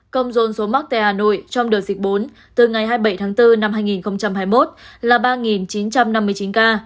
công dôn số mắc tại hà nội trong đợt dịch bốn từ ngày hai mươi bảy tháng bốn năm hai nghìn hai mươi một là ba chín trăm năm mươi chín ca